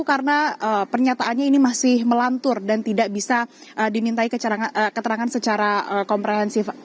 karena pernyataannya ini masih melantur dan tidak bisa dimintai keterangan secara komprehensif